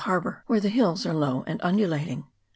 [PART I. where the hills are low and undulating.